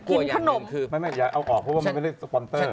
ไม่อย่าเอาออกเพราะว่าไม่ได้สปอนเตอร์